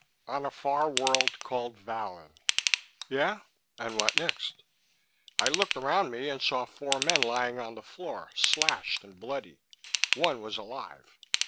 "On a far world called Vallon." "Yeah? And what next?" "I looked around me and saw four men lying on the floor, slashed and bloody. One was alive.